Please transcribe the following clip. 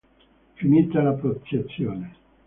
Finita la processione.